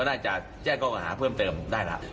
นายพากษ์เจ็ดหรือพี่อุดร